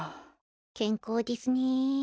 健康でぃすね。